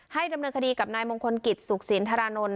ดำเนินคดีกับนายมงคลกิจสุขสินธารานนท์